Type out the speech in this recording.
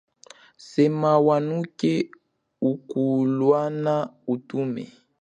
Sema wanuke ukulwana utume.